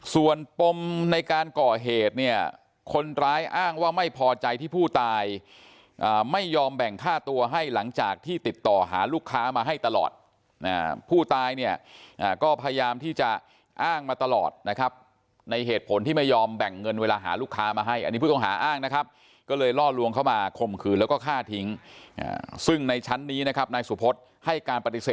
ส่วนปมในการก่อเหตุเนี่ยคนร้ายอ้างว่าไม่พอใจที่ผู้ตายไม่ยอมแบ่งค่าตัวให้หลังจากที่ติดต่อหาลูกค้ามาให้ตลอดผู้ตายเนี่ยก็พยายามที่จะอ้างมาตลอดนะครับในเหตุผลที่ไม่ยอมแบ่งเงินเวลาหาลูกค้ามาให้อันนี้ผู้ต้องหาอ้างนะครับก็เลยล่อลวงเข้ามาข่มขืนแล้วก็ฆ่าทิ้งซึ่งในชั้นนี้นะครับนายสุพธให้การปฏิเสธ